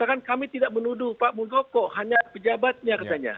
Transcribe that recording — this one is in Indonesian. misalkan kami tidak menuduh pak muldoko hanya pejabatnya katanya